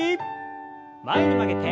前に曲げて。